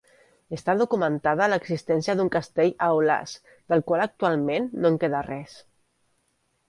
Està documentada l'existència d'un castell a Aulàs, del qual actualment no en queda res.